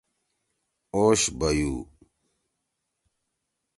اوش بیُو